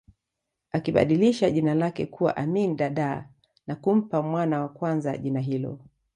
Akibadilisha jina lake kuwa Amin Dada na kumpa mwana wa kwanza jina hilo